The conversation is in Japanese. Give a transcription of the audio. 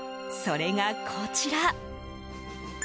それが、こちら。